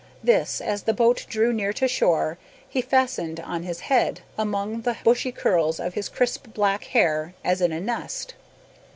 This, as the boat drew near to shore, he fastened on his head, among the bushy curls of his crisp black hair, as in a nest.